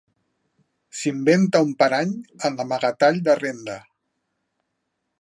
S'inventa un parany en l'amagatall de Renda.